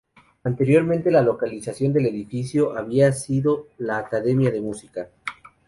Anteriormente, la localización del edificio había sido la Academia de Música.